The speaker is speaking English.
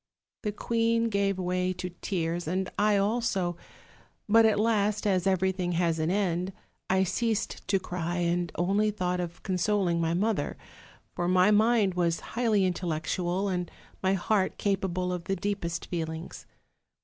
The queen gave way to tears, and I also; but at last, as everything has an end, I ceased to cry, and only thought of consoling my mother; for my mind was highly intellectual, and my heart capable of the deepest feelings.